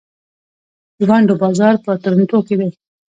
د ونډو بازار په تورنټو کې دی.